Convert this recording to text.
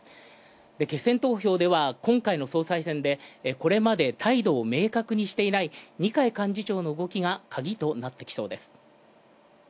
決選投票では今回の総裁選で、これまで態度を明確にしていない二階幹事長の動きが鍵となってきそうです。